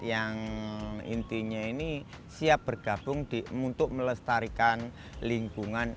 yang intinya ini siap bergabung untuk melestarikan lingkungan